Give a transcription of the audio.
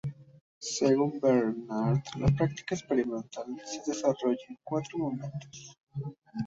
Según Bernard, la práctica experimental se desarrolla en cuatro momentos.